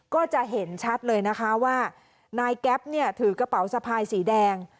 ก็จะเห็นชัดเลยนะคะว่านายแก๊ปเนี่ยถือกระเป๋าสะพายสีแดง